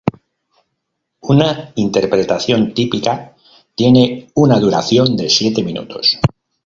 Una interpretación típica tiene una duración de siete minutos.